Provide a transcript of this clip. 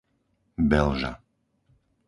Belža